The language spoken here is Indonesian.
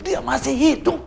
dia masih hidup